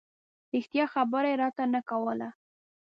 رښتیا خبره یې راته نه کوله.